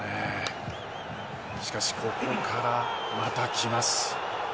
しかし、ここからまた来ます。